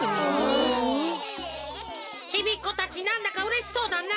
ちびっこたちなんだかうれしそうだなあ。